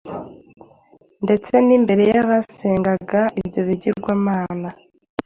ndetse n’imbere y’abasengaga ibyo bigirwamana,